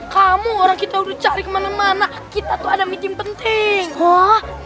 kamu orang kita udah cari kemana mana kita tuh ada medium penting wah